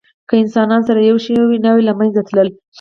که انسانان سره یو شوي نه وی، له منځه تلل.